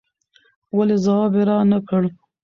ولې ځواب يې را نه کړ